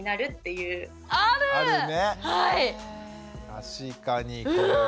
確かにこれは。